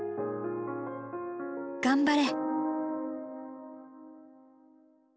頑張れ！